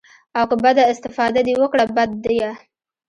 او که بده استفاده دې وکړه بد ديه.